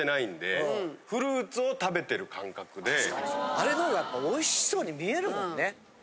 あれのほうがやっぱおいしそうに見えるもんね。